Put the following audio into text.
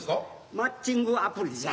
マッチングアプリじゃ。